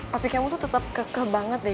papi kamu tuh tetap keke banget deh